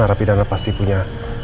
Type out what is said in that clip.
arapi dan anda pasti punya